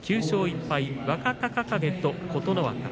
９勝１敗、若隆景と琴ノ若。